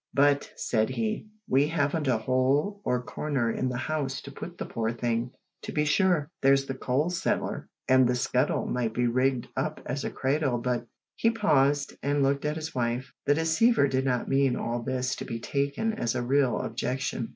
"But," said he, "we haven't a hole or corner in the house to put the poor thing in. To be sure, there's the coal cellar and the scuttle might be rigged up as a cradle, but " He paused, and looked at his wife. The deceiver did not mean all this to be taken as a real objection.